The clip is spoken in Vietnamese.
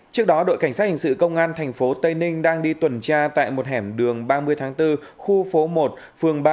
trước đó đội cảnh sát hình sự công an tp tây ninh đang đi tuần tra tại một hẻm đường ba mươi tháng bốn khu phố một phường ba